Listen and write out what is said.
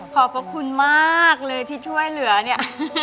ขอบพระคุณมากเลยที่ช่วยเหลือเนี่ย